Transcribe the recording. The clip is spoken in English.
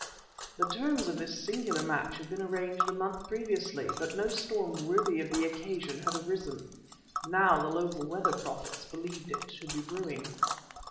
The terms of this singular match had been arranged a month previously, but no storm worthy of the occasion had arisen. Now the local weather prophets believed it to be brewing.